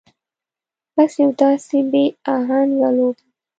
بس يو داسې بې اهنګه لوبه ده.